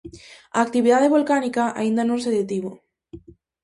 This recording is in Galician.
A actividade volcánica aínda non se detivo.